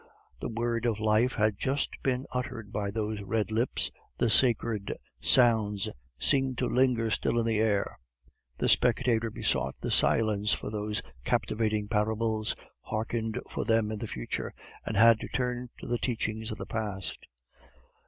The word of life had just been uttered by those red lips, the sacred sounds seemed to linger still in the air; the spectator besought the silence for those captivating parables, hearkened for them in the future, and had to turn to the teachings of the past.